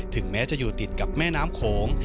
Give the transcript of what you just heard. แม้จะอยู่ติดกับแม่น้ำโขง